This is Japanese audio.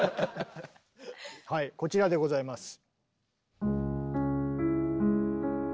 はいこちらでございます。